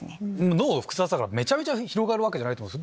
脳は複雑だからめちゃめちゃ広がるわけじゃないんですね。